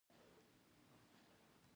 • د ورځې طبیعت د ژوند ښکلا ده.